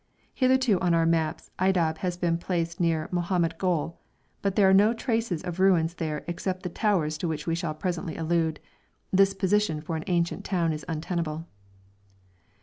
Hitherto on our maps Aydab has been placed near Mohammed Gol, but, as there are no traces of ruins there except the towers to which we shall presently allude, this position for an ancient town is untenable.